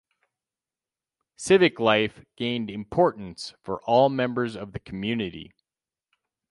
Civic life gained importance for all members of the community.